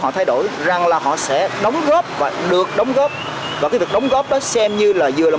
họ thay đổi rằng là họ sẽ đóng góp và được đóng góp và cái việc đóng góp đó xem như là vừa là